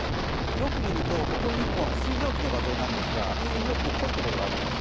よく見ると、ここに１本水蒸気の画像なんですが、水蒸気の濃いところがあります。